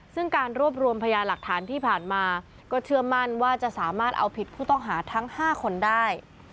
ซึ่งการรวบรวมพยาหลักฐานที่ผ่านมาก็เชื่อมั่นว่าจะสามารถเอาผิดผู้ต้องหาทั้ง๕คนได้